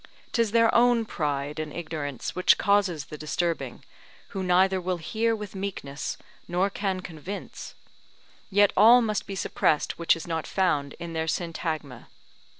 'Tis their own pride and ignorance which causes the disturbing, who neither will hear with meekness, nor can convince; yet all must be suppressed which is not found in their Syntagma.